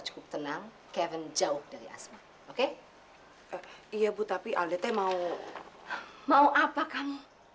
mereka mewareg warang rakyat mu tapi aku sajaey kok tiga puluh lima tahun departed